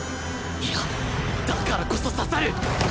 いやだからこそ刺さる